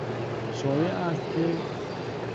شایع است که...